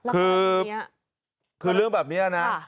คือเรื่องแบบนี้นะ